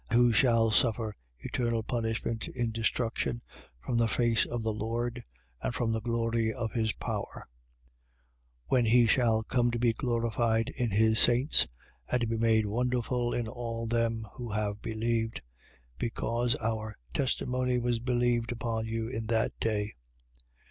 1:9. Who shall suffer eternal punishment in destruction, from the face of the Lord and from the glory of his power: 1:10. When he shall come to be glorified in his saints and to be made wonderful in all them who have believed; because our testimony was believed upon you in that day.